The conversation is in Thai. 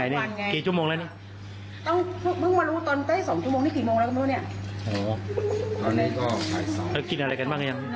ค่ะเราจะไปซื้อเทียนซื้ออะไรกัน